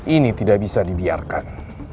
ini tidak bisa dibiarkan